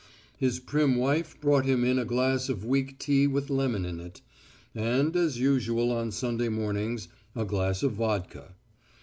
His prim wife brought him in a glass of weak tea with lemon in it, and, as usual on Sunday mornings, a glass of vodka.